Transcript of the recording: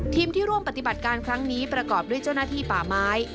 ที่ร่วมปฏิบัติการครั้งนี้ประกอบด้วยเจ้าหน้าที่ป่าไม้